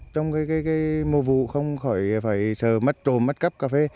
trong mùa vụ không khỏi phải sợ mất trộm mất cắp cà phê